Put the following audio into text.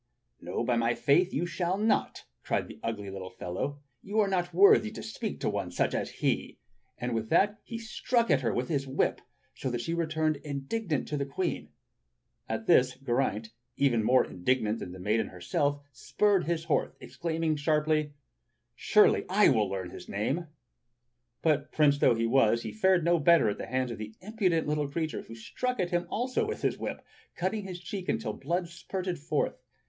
"No, by my faith you shall not," cried the ugly little fellow. "You are not wwthy to speak to such a one as he!" And with that he struck at her wdth his whip, so that she returned indignant to the Queen. At this Geraint, even more indignant than the maiden herself, spurred his horse, exclaiming sharply : "Surely I wall learn the name." But prince though he was, he fared no better at the hands of the impudent little creature, who struck at him also with his whip, cutting his cheek until the blood spurted forth.